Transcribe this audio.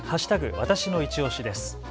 わたしのいちオシです。